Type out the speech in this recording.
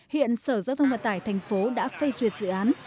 hiện sở giao thông vận tải thành phố đã phê duyệt dự án